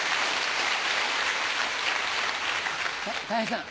たい平さん